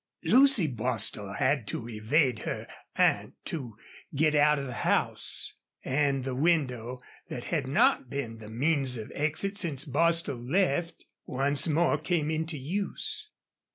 Lucy Bostil had to evade her aunt to get out of the house, and the window, that had not been the means of exit since Bostil left, once more came into use.